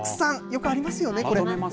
よくありますよね、これ。